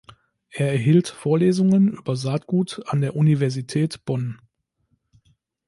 Er hielt Vorlesungen über Saatgut an der Universität Bonn.